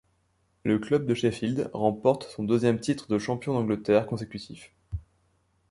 Le club de Sheffield remporte son deuxième titre de champion d’Angleterre consécutif.